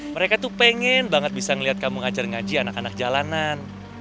mereka tuh pengen banget bisa ngeliat kamu ngajar ngaji anak anak jalanan